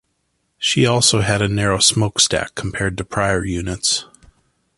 She also had a narrow smokestack compared to prior units.